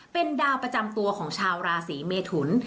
เป็นดาวประจำตัวของชาวราศีเมทุน